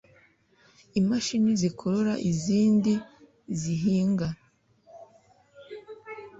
imashini zikurura n'izindi zihinga